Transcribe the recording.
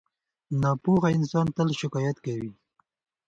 • ناپوهه انسان تل شکایت کوي.